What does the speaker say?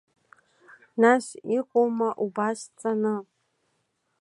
Нас иҟоума, убас ҵаны?